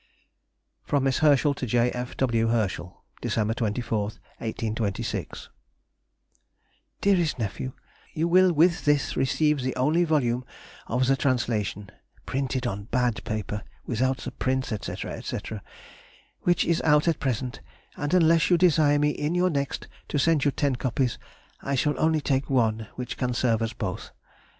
FROM MISS HERSCHEL TO J. F. W. HERSCHEL. Dec. 24, 1826. DEAREST NEPHEW,— You will with this receive the only volume of the translation (printed on bad paper, without the prints, &c., &c.,) which is out at present, and unless you desire me in your next to send you ten copies, I shall only take one which can serve us both.